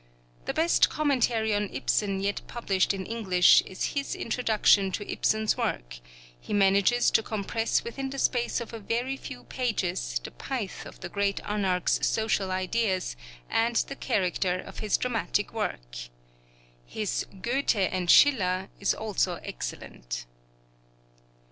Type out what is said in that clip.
The best commentary on Ibsen yet published in English is his introduction to Ibsen's works; he manages to compress within the space of a very few pages the pith of the great anarch's social ideas and the character of his dramatic work. His 'Goethe and Schiller' is also excellent.